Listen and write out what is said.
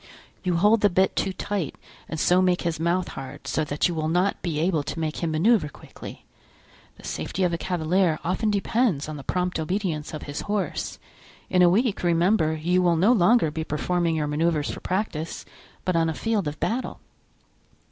You hold the bit too tight and so make his mouth hard, so that you will not be able to make him manoeuvre quickly. The safety of a cavalier often depends on the prompt obedience of his horse. In a week, remember, you will no longer be performing your manoeuvres for practice, but on a field of battle."